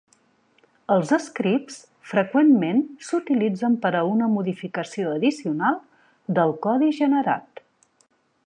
Els scripts freqüentment s'utilitzen per a una modificació addicional del codi generat.